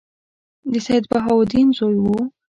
د سیدبهاءالدین زوی وو.